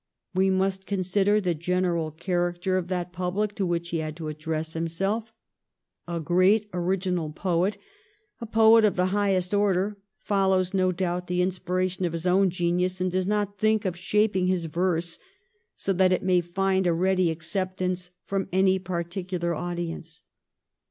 We must consider the general character of that public to which he had to address himself. A great original poet — a poet of the highest order — follows no doubt the inspiration of his own genius, and does not think of shaping his verse so that it may find a ready acceptance from any particular audience.